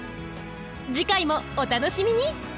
次回もお楽しみに！